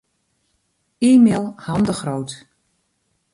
E-mail Han de Groot.